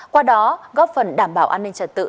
qua đó góp phần đảm bảo an ninh trật tự